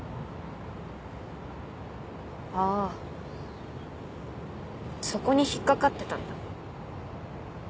あぁそこに引っ掛かってたんだ。